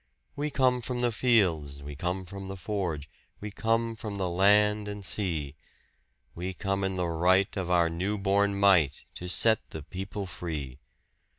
We come from the fields, we come from the forge, we come from the land and sea We come in the right of our new born might to set the people free!